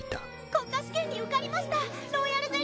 国家試験に受かりました。